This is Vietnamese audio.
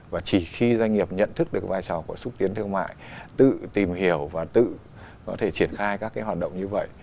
và chỉ khi doanh nghiệp nhận thức được vai trò của xúc tiến thương mại tự tìm hiểu và tự có thể triển khai các cái hoạt động như vậy